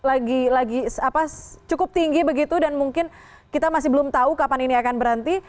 lagi lagi cukup tinggi begitu dan mungkin kita masih belum tahu kapan ini akan berhenti